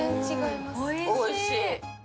おいしい。